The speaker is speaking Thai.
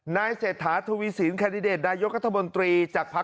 นายเศรษฐาทุวีศิลต์คาดริเดทนายกัธหมนตรีจากพักเพิ้อไทย